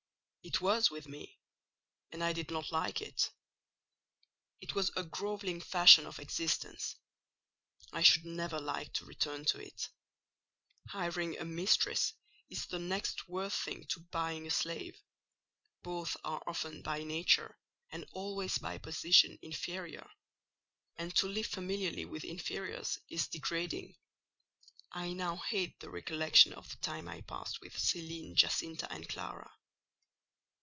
"It was with me; and I did not like it. It was a grovelling fashion of existence: I should never like to return to it. Hiring a mistress is the next worse thing to buying a slave: both are often by nature, and always by position, inferior: and to live familiarly with inferiors is degrading. I now hate the recollection of the time I passed with Céline, Giacinta, and Clara."